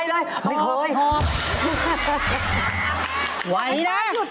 อย่าได้ก่อนครับไอ้ม่าหยุด